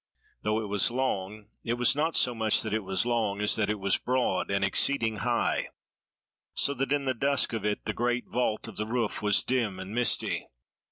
Though it was long, it was not so much that it was long as that it was broad, and exceeding high, so that in the dusk of it the great vault of the roof was dim and misty.